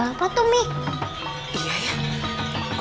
menang betul muscles tidak